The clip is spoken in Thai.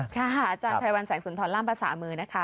อาจารย์ไพรวันแสงสุนทรล่ามภาษามือนะคะ